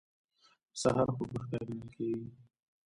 د سهار خوب ریښتیا ګڼل کیږي.